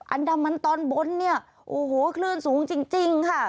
อันดามันตอนบนเนี่ยโอ้โหคลื่นสูงจริงค่ะ